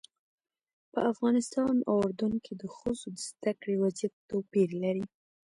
په افغانستان او اردن کې د ښځو د زده کړې وضعیت توپیر لري.